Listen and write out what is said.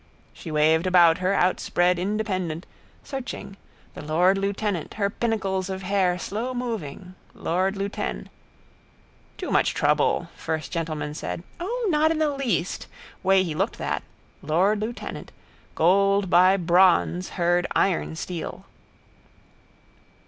She waved about her outspread Independent, searching, the lord lieutenant, her pinnacles of hair slowmoving, lord lieuten. Too much trouble, first gentleman said. O, not in the least. Way he looked that. Lord lieutenant. Gold by bronze heard iron steel.